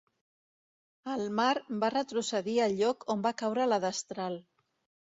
El mar va retrocedir al lloc on va caure la destral.